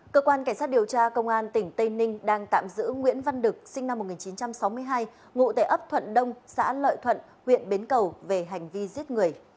cơ quan cảnh sát điều tra công an tỉnh tây ninh đang tạm giữ nguyễn văn đực sinh năm một nghìn chín trăm sáu mươi hai ngụ tệ ấp thuận đông xã lợi thuận huyện bến cầu về hành vi giết người